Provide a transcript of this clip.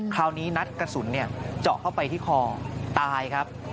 คราวนี้นัดกระสุนเนี่ยเจาะเข้าไปที่คอตายครับ